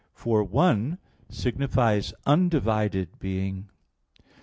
1); for "one" signifies undivided being.